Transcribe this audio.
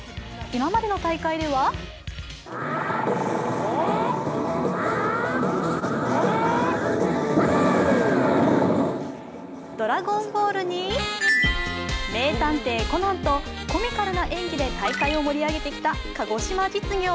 今までの大会では「ドラゴンボール」に「名探偵コナン」とコミカルな演技で大会を盛り上げてきた鹿児島実業。